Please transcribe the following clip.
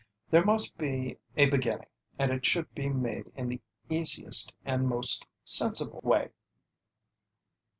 There must be a beginning, and it should be made in the easiest and most sensible way.